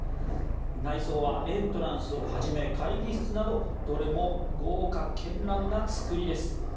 内装はエントランスをはじめ会議室などどれも豪華絢爛な造りです。